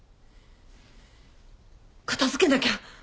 片付けなきゃ！